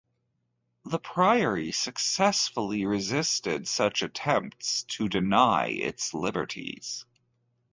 The priory successfully resisted such attempts to deny its liberties.